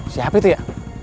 siap itu ya